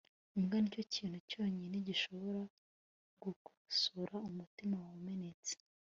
imbwa nicyo kintu cyonyine gishobora gukosora umutima wawe umenetse